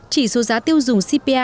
chỉ số giá tiêu dùng cpi